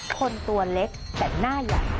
คนตัวเล็กแต่หน้าใหญ่